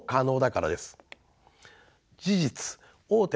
事実大手